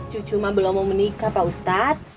cucu ma belum mau menikah pak ustadz